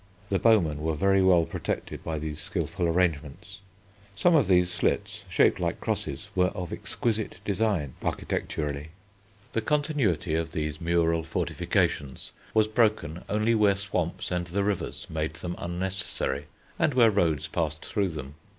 The bowmen were very well protected by these skilful arrangements. Some of these slits, shaped like crosses, were of exquisite design architecturally. The continuity of these mural fortifications was broken only where swamps and the rivers made them unnecessary and where roads passed through them.